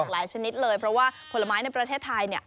หลายชนิดเลยเพราะว่าผลไม้ในประเทศไทย